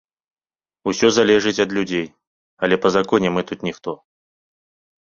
Усё залежыць ад людзей, але па законе мы тут ніхто.